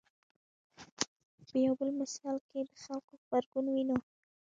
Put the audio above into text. په یو بل مثال کې د خلکو غبرګون وینو.